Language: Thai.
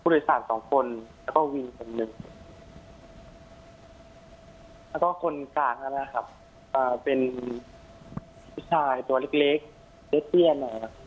แล้วก็คนกลางเป็นพี่ชายตัวเล็กเยอะเที่ยน